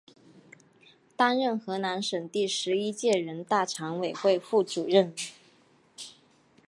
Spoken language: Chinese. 担任河南省第十一届人大常委会副主任。